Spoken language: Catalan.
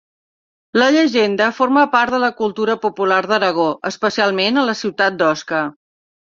La llegenda forma part de la cultura popular d'Aragó, especialment a la ciutat d'Osca.